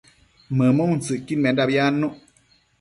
mëmuntsëcquidmendabi adnuc